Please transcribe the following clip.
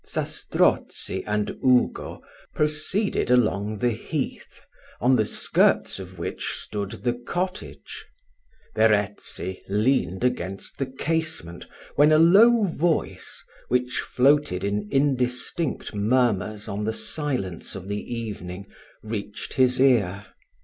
Zastrozzi and Ugo proceeded along the heath, on the skirts of which stood the cottage. Verezzi leaned against the casement, when a low voice, which floated in indistinct murmurs on the silence of the evening, reached his ear.